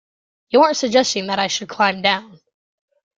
You aren't suggesting that I should climb down?